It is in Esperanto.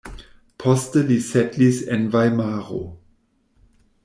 Poste li setlis en Vajmaro.